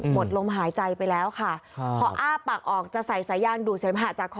หมดลมหายใจไปแล้วค่ะพออ้าปากออกจะใส่สายยางดูดเสมหะจากคอ